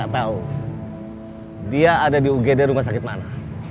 tahu dia ada di ugd rumah sakit mana